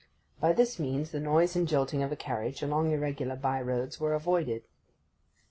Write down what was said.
By this means the noise and jolting of a carriage, along irregular bye roads, were avoided.